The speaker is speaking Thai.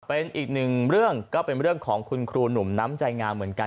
เป็นอีกหนึ่งเรื่องก็เป็นเรื่องของคุณครูหนุ่มน้ำใจงามเหมือนกัน